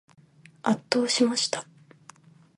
圧倒しました。